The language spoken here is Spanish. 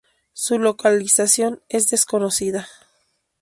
Su localización es desconocida.